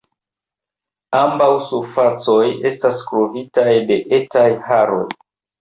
Ambaŭ surfacoj estas kovritaj de etaj haroj.